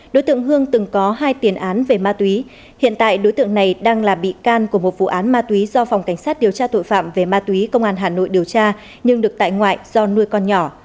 đối tượng hương từng có hai tiền án về ma túy hiện tại đối tượng này đang là bị can của một vụ án ma túy do phòng cảnh sát điều tra tội phạm về ma túy công an hà nội điều tra nhưng được tại ngoại do nuôi con nhỏ